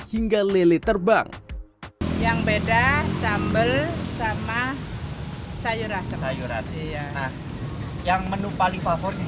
hingga lele terbang yang beda sambel sama sayuran sayuran yang menu paling favorit